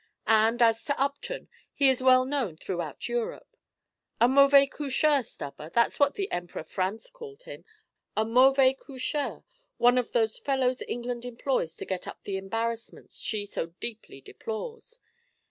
"And as to Upton, he's well known throughout Europe, a 'mauvais coucheur,' Stubber; that's what the Emperor Franz called him, a 'mauvais coucheur,' one of those fellows England employs to get up the embarrassments she so deeply deplores.